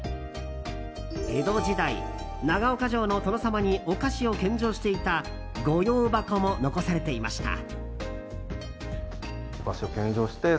江戸時代、長岡城の殿様にお菓子を献上していた御用箱も残されていました。